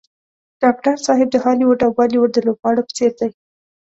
ډاکټر صاحب د هالیوډ او بالیوډ د لوبغاړو په څېر دی.